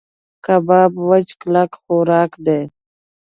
کباب وچ کلک خوراک دی.